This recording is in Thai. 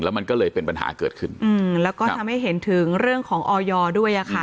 มันก็เลยเป็นปัญหาเกิดขึ้นอืมแล้วก็ทำให้เห็นถึงเรื่องของออยด้วยอ่ะค่ะ